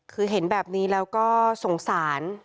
คือเห็นแบบนี้แล้วก็สงสาร